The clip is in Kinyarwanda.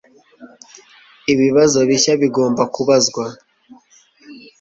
ibibazo bishya bigomba kubazwa